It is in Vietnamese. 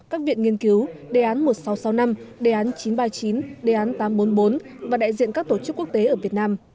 các viện nghiên cứu đề án một nghìn sáu trăm sáu mươi năm đề án chín trăm ba mươi chín đề án tám trăm bốn mươi bốn và đại diện các tổ chức quốc tế ở việt nam